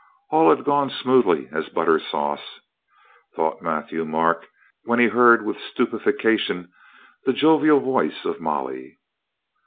All had gone smoothly as a butter sauce, thought Matthieu Marc, when he heard with stupefaction the jovial voice of Molly.